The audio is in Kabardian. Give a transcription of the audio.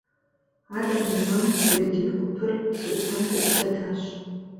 А дакъикъэм Берд и гупыр псы ӏуфэм къыӏулъэдащ.